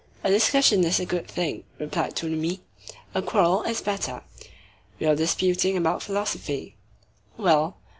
"A discussion is a good thing," replied Tholomyès; "a quarrel is better." "We were disputing about philosophy." "Well?"